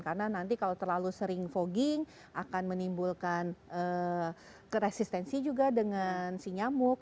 karena nanti kalau terlalu sering fogging akan menimbulkan keresistensi juga dengan si nyamuk